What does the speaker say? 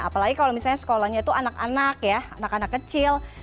apalagi kalau misalnya sekolahnya itu anak anak ya anak anak kecil